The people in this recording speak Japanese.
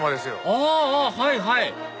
あはいはい！